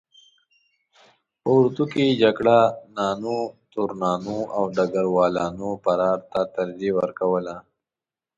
په اردو کې جګړه نانو، تورنانو او ډګر والانو فرار ته ترجیح ورکوله.